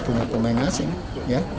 punya pemain asing ya